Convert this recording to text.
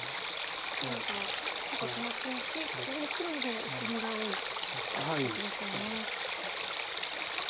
白が結構手厚いし逆に黒の方が薄みが多いっていう形ですよね。